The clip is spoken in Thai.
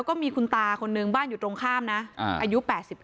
ก็มีคุณตาคนนึงบ้านอยู่ตรงข้ามนะอายุ๘๙